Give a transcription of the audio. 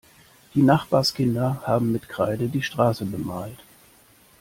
Die Nachbarskinder haben mit Kreide die Straße bemalt.